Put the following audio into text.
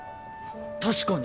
確かに！